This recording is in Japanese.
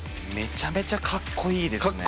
めちゃめちゃかっこいいですね。